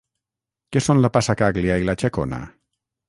Què són la passacaglia i la xacona?